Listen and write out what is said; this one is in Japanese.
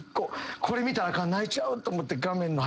これ見たらあかん泣いちゃうと思って。